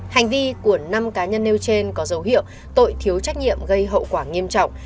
hành vi của năm cá nhân nêu trên có dấu hiệu tội thiếu trách nhiệm gây hậu quả nghiêm trọng